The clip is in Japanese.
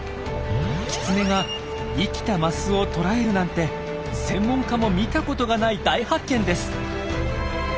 キツネが生きたマスを捕らえるなんて専門家も見たことがない大発見です。